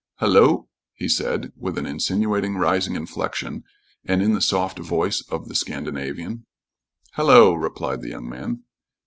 "Hullo!" he said, with an insinuating, rising inflection and in the soft voice of the Scandinavian. "Hallo!" replied the young man.